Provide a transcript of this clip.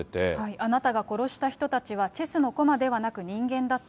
あなたが殺した人たちは、チェスの駒ではなく、人間だった。